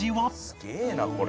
「すげえなこれ。